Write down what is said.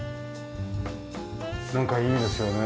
なんかいいですよね